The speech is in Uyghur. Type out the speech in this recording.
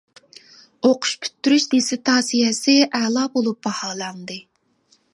ئوقۇش پۈتتۈرۈش دىسسېرتاتسىيەسى «ئەلا» بولۇپ باھالاندى.